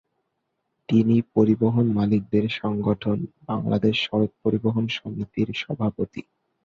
তিনি পরিবহন মালিকদের সংগঠন ‘বাংলাদেশ সড়ক পরিবহন সমিতির’ সভাপতি।